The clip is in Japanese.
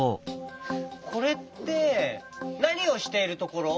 これってなにをしているところ？